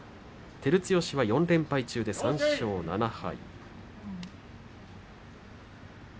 照強は４連敗中の３勝７敗。